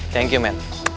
thank you man